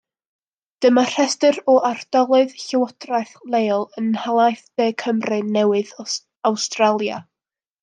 Dyma restr o ardaloedd llywodraeth leol yn Nhalaith De Cymru Newydd Awstralia.